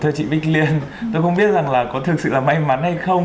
thưa chị bích liên tôi không biết rằng là có thực sự là may mắn hay không